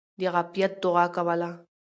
د عافيت دعاء کوله!!.